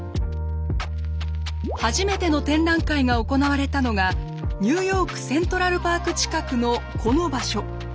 初めての展覧会が行われたのがニューヨークセントラルパーク近くのこの場所。